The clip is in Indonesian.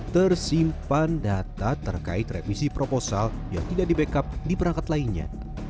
tersimpan data terkait revisi proposal yang tidak di backup di perangkat lainnya